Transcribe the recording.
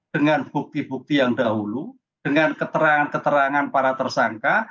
dengan bukti bukti yang dahulu dengan keterangan keterangan para tersangka